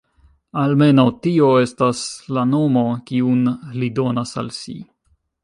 Almenaŭ tio estas la nomo, kiun li donas al si.